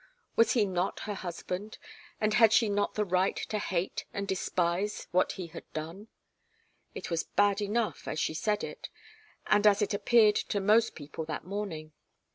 Was he not her husband, and had she not the right to hate and despise what he had done? It was bad enough, as she said it, and as it appeared to most people that morning.